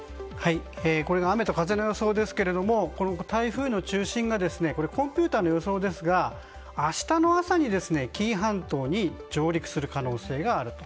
これが雨と風の予想ですが台風の中心コンピューターの予想ですが明日の朝に紀伊半島に上陸する可能性があると。